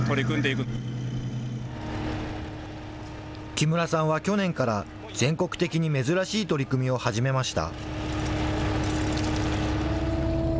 木村さんは去年から、全国的に珍しい取り組みを始めました。